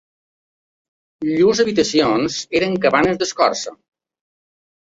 Llurs habitacions eren cabanes d'escorça.